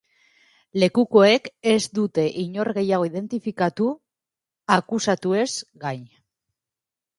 Lekukoek ez dute inor gehiago identifikatu, akusatuez gain.